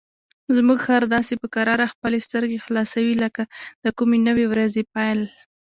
زموږ خر داسې په کراره خپلې سترګې خلاصوي لکه د کومې نوې ورځې پیل.